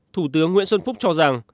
thủ tướng nguyễn xuân phúc cho ra